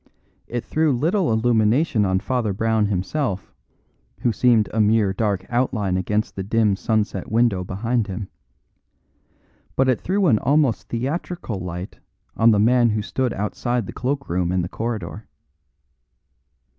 It threw little illumination on Father Brown himself, who seemed a mere dark outline against the dim sunset window behind him. But it threw an almost theatrical light on the man who stood outside the cloak room in the corridor.